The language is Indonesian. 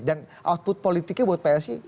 dan output politiknya buat psi